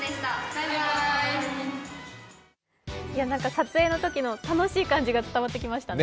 撮影のときの楽しい感じが伝わってきましたね。